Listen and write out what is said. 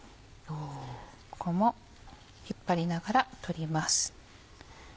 ここも引っ張りながら取ります。